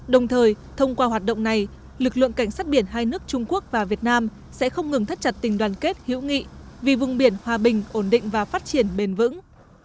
đồng thời thông qua hoạt động này lực lượng cảnh sát biển hai nước trung quốc và việt nam sẽ không ngừng thắt chặt tình đoàn kết hữu nghị vì vùng biển hòa bình ổn định và phát triển bền vững